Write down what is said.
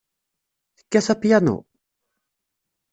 Tekkat apyanu?